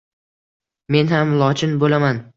Men ham lochin bo‘laman